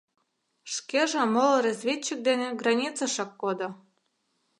Шкеже моло разведчик дене границешак кодо.